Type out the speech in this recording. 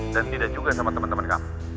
dan tidak juga sama temen temen kamu